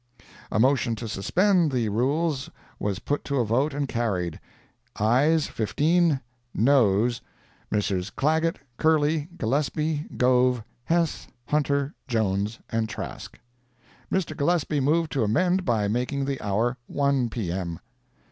A motion to suspend the rules was put to a vote and carried—ayes 15; noes, Messrs. Clagett, Curley, Gillespie, Gove, Hess, Hunter, Jones and Trask. Mr. Gillespie moved to amend by making the hour 1 P.M.